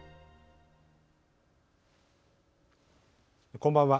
こんばんは。